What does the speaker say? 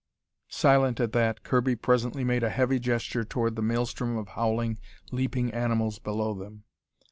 Silent at that, Kirby presently made a heavy gesture toward the maelstrom of howling, leaping animals below them.